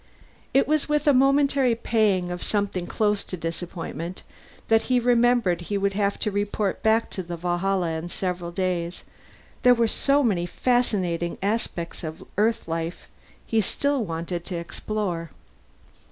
It was with a momentary pang of something close to disappointment that he remembered he would have to report back to the Valhalla in several days; there were so many fascinating aspects of Earth life he still wanted to explore.